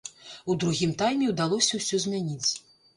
У другім тайме ўдалося ўсё змяніць.